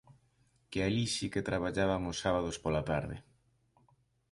Que alí si que traballaban os sábados pola tarde…